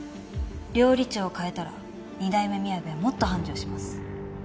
料理長を変えたら二代目みやべはもっと繁盛します。